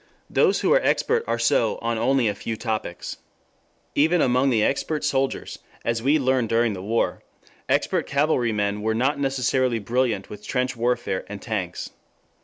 Those who are expert are so on only a few topics. Even among the expert soldiers, as we learned during the war, expert cavalrymen were not necessarily brilliant with trench warfare and tanks.